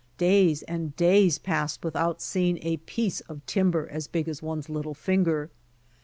Days and days passed without seeing a piece of timber as big as one's little finger.